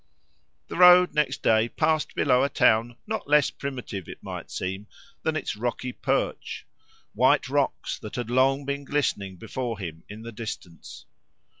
The road, next day, passed below a town not less primitive, it might seem, than its rocky perch—white rocks, that had long been glistening before him in the distance.